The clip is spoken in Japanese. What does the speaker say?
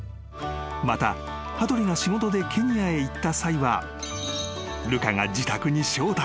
［また羽鳥が仕事でケニアへ行った際はルカが］